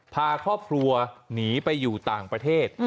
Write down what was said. พาครอบครัวหนีไปอยู่ต่างประเทศ